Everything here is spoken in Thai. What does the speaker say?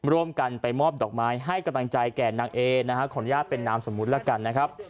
ร่วมกันไปมอบดอกไม้ให้กำลังใจแก่นางเอนะฮะขออนุญาตเป็นนามสมมุติแล้วกันนะครับ